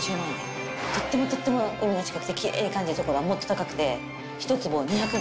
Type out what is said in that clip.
とってもとっても海が近くてキレイに感じる所はもっと高くて。